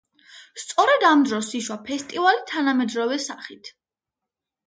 სწორედ ამ დროს იშვა ფესტივალი თანამედროვე სახით.